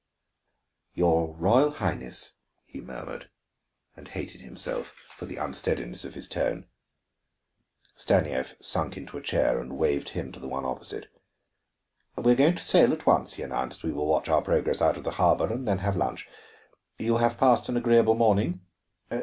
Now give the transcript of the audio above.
"Your Royal Highness " he murmured, and hated himself for the unsteadiness of his tone. Stanief sank into a chair and waved him to the one opposite. "We are going to sail at once," he announced. "We will watch our progress out of the harbor and then have lunch. You have passed an agreeable morning?"